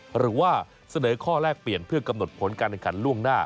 หรือว่าเสนอข้อแลกเปลี่ยนเพื่อกำหนดผลการแข่งขันล่วงหน้า